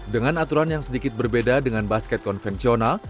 dengan aturan yang sedikit berbeda dengan basket konvensional